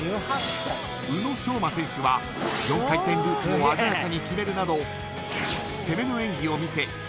宇野昌磨選手は４回転ループを鮮やかに決めるなど攻めの演技を見せ